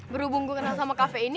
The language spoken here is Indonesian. berhubung gue kenal sama kafe ini